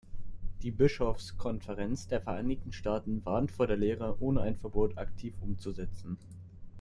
Die Bischofskonferenz der Vereinigten Staaten warnt vor der Lehre, ohne ein Verbot aktiv umzusetzen.